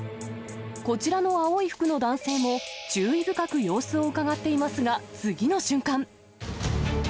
こちらの青い服の男性も、注意深く様子をうかがっていますが、次の瞬間。